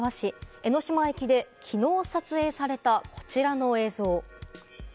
江ノ島駅で昨日の撮影された、こちらの映像。